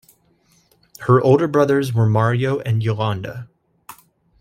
Her older brothers were Mario and Yolanda.